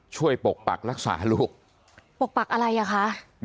ปกปักรักษาลูกปกปักอะไรอ่ะคะ